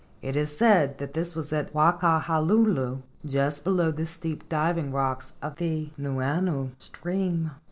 It is said that this was at Wai kaha lulu just below the steep diving rocks of the Nuuanu stream.